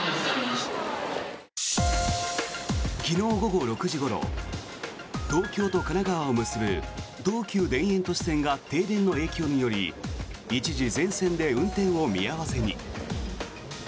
昨日午後６時ごろ東京と神奈川を結ぶ東急田園都市線が停電の影響により一時、全線で運転を見合わせに。